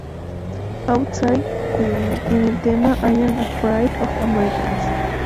Outside" y en el tema "I'm Afraid of Americans.